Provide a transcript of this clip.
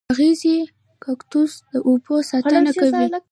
اغزي د کاکتوس د اوبو ساتنه کوي